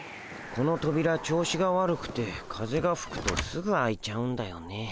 このとびら調子が悪くて風がふくとすぐ開いちゃうんだよね。